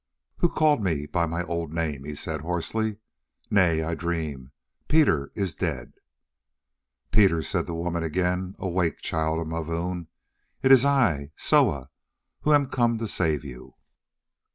"Who called me by my old name?" he said hoarsely. "Nay, I dream, Peter is dead." "Peter," said the woman again, "awake, child of Mavoom; it is I, Soa, who am come to save you."